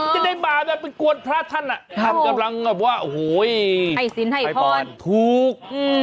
จะได้มาแบบเป็นกวนพระท่านท่านกำลังว่าทุกข์